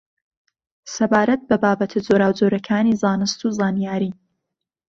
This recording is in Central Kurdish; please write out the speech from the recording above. سەبارەت بە بابەتە جۆراوجۆرەکانی زانست و زانیاری